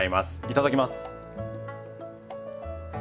いただきます！